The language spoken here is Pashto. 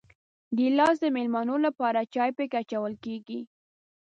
ګیلاس د مېلمنو لپاره چای پکې اچول کېږي.